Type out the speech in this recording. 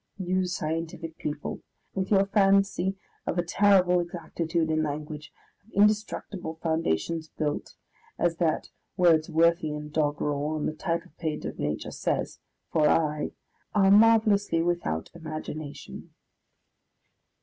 You scientific people, with your fancy of a terrible exactitude in language, of indestructible foundations built, as that Wordsworthian doggerel on the title page of Nature says, "for aye," are marvellously without imagination!